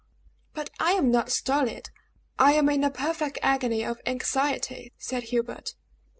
"But I am not stolid! I am in a perfect agony of anxiety," said Hubert.